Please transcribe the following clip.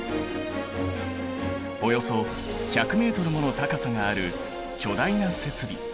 およそ１００ｍもの高さがある巨大な設備。